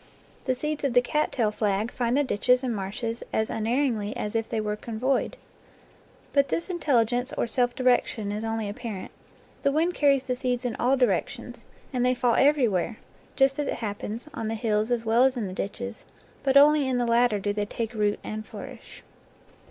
The seeds of the cat tail flag find the ditches and marshes as un erringly as if they were convoyed. But this intelli gence, or self direction, is only apparent. The wind carries the seeds in all directions, and they fall every where, just as it happens, on the hills as well as in the ditches, but only in the latter do they take root and flourish.